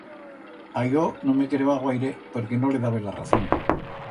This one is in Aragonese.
A yo no me quereba guaire perque no le dabe la razón.